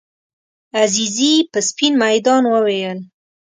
عزیزي په سپین میدان وویل.